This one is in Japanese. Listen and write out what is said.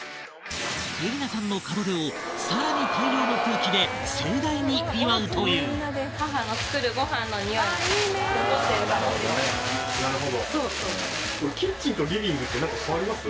恵莉奈さんの門出をさらに大量の空気で盛大に祝うというなるほど。